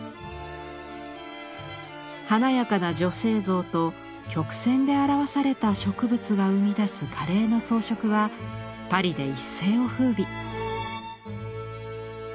華やかな女性像と曲線で表された植物が生み出す華麗な装飾はパリで一世をふうび。